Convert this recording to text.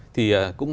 thì cũng là